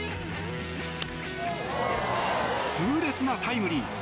痛烈なタイムリー。